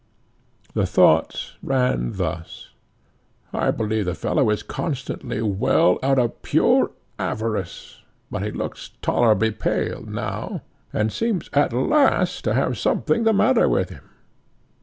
The thoughts ran thus: "I believe the fellow is constantly well out of pure avarice; but he looks tolerably pale now, and seems at last to have something the matter with him.